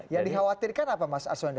ya dikhawatirkan apa mas arswando